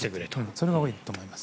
それが多いと思います。